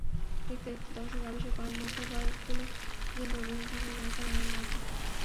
দেখতে দেখতে দর্শক আবিষ্কার করেন মুখাবয়বগুলো যেন রবীন্দ্রনাথ ঠাকুরের আঁকা নারীর মতো।